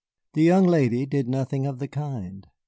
The young lady did nothing of the kind.